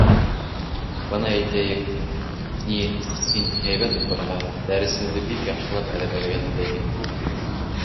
— Бына, әйтәйек, ни, һин һәйбәт уҡырға, дәресеңде бик яҡшылап әҙерләргә теләйһең, ти.